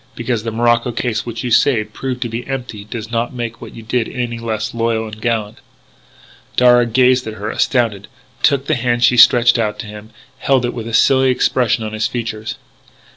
Because the morocco case which you saved proved to be empty does not make what you did any the less loyal and gallant." Darragh gazed at her, astounded; took the hand she stretched out to him; held it with a silly expression on his features.